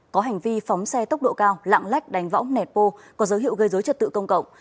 có hành vi phóng xe tốc độ cao lạng lách đánh võng nẹt bô có dấu hiệu gây dối trật tự công cộng